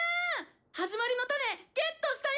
『始まりのタネ』ゲットしたよ！」。